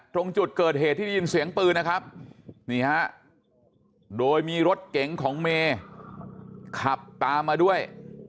ตรงจุดเกิดเหตุที่ได้ยินเสียงปืนนะครับนี่ฮะโดยมีรถเก๋งของเมย์ขับตามมาด้วย